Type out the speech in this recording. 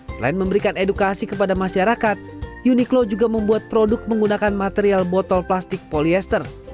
selain memberikan edukasi kepada masyarakat uniklo juga membuat produk menggunakan material botol plastik polyester